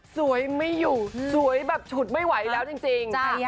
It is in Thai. สวยไม่อยู่สวยแบบฉุดไม่ไหวแล้วจริง